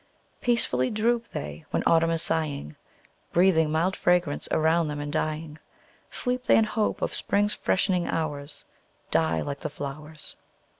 Peacefully droop they when autumn is sighing; Breathing mild fragrance around them in dying, Sleep they in hope of Spring's freshening hours: Die like the flowers!